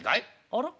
「あら？